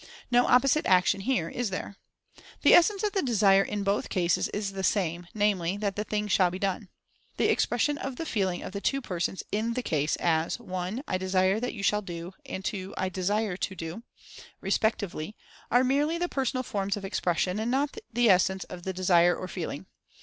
No opposite action here, is there? The essence of the DESIRE in both cases is the same, namely, that the thing shall be done. The expression of the feeling of the two persons in the case, as (1) "I Desire that You Shall Do," and (2) "I Desire to Do," respectively, are merely the personal forms of expression, and not the essence of the Desire or Feeling.